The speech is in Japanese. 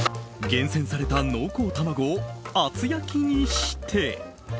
厳選された濃厚卵を厚焼きにして。